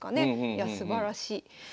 いやすばらしい。